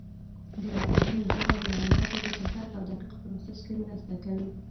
د عددونو ژبه د معلوماتو په چټک او دقیق پروسس کې مرسته کوي.